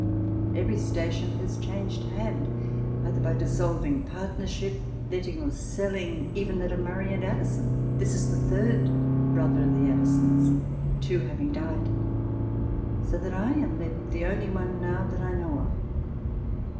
Every station has changed hand either by dissolving partnership, letting, or selling even that of Murray and Addison (this is the third brother of the Addisons, two having died) ; so that I am left the only one now that I know of.